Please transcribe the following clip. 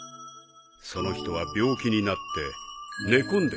その人は病気になって寝込んでしまった。